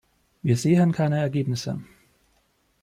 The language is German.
Wir sehen keine Ergebnisse.